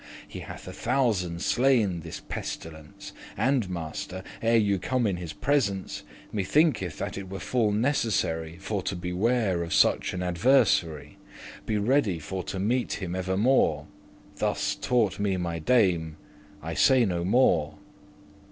He hath a thousand slain this pestilence; And, master, ere you come in his presence, Me thinketh that it were full necessary For to beware of such an adversary; Be ready for to meet him evermore. Thus taughte me my dame; I say no more."